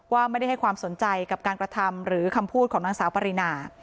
ว่าไม่ได้ให้ความสนใจกับการกระทำหรือคำพูดของนางสาวปรินา